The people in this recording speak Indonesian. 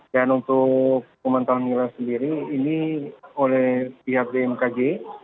dan untuk pemantauan hilal sendiri ini oleh pihak bmkg